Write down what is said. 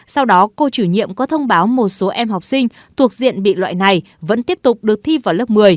sau đó cô chủ nhiệm có thông báo một số em học sinh thuộc diện bị loại này vẫn tiếp tục được thi vào lớp một mươi